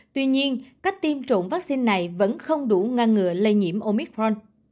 tuy nhiên cách tiêm chủng vaccine này vẫn không đủ ngăn ngừa lây nhiễm omicron